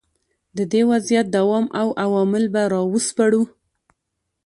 د دې وضعیت دوام او عوامل به را وسپړو.